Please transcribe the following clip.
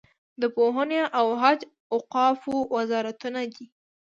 د پوهنې او حج او اوقافو وزارتونه دي.